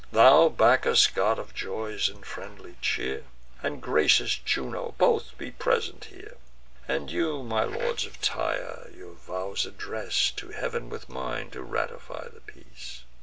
Thou, Bacchus, god of joys and friendly cheer, And gracious Juno, both be present here! And you, my lords of Tyre, your vows address To Heav'n with mine, to ratify the peace."